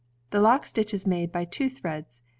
The lock stitch is made by two threads.